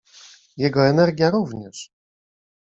Jego energia również.